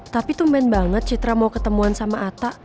tapi tumben banget citra mau ketemuan sama ata